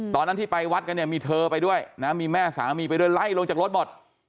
ตอนนั้นที่ไปวัดกันเนี่ยมีเธอไปด้วยนะมีแม่สามีไปด้วยไล่ลงจากรถหมด